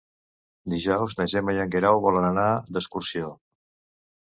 Dijous na Gemma i en Guerau volen anar d'excursió.